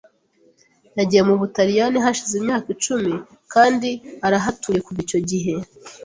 Yagiye mu Butaliyani hashize imyaka icumi kandi arahatuye kuva icyo gihe .